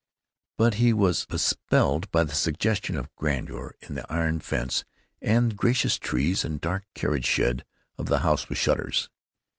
But he was bespelled by the suggestion of grandeur in the iron fence and gracious trees and dark carriage shed of the House with Shutters.